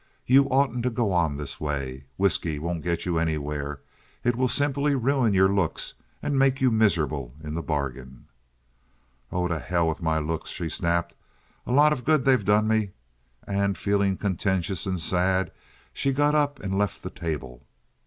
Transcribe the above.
You oughtn't to go on this way. Whisky won't get you anywhere. It will simply ruin your looks and make you miserable in the bargain." "Oh, to hell with my looks!" she snapped. "A lot of good they've done me." And, feeling contentious and sad, she got up and left the table.